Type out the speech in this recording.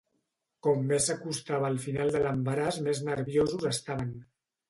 Com més s'acostava el final de l'embaràs més nerviosos estaven.